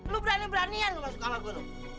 lu berani beranian lu masuk kamar gua tuh